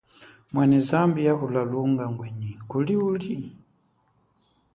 Mwene zambi yahula lunga ngwenyi kuli uli?